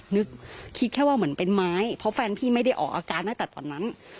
นึกคิดแค่ว่าเหมือนเป็นไม้เพราะแฟนพี่ไม่ได้ออกอาการตั้งแต่ตอนนั้น